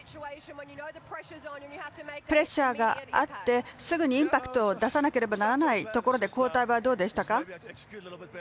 プレッシャーがあってすぐにインパクトを出さなければならないところでの交代はどうでしたか？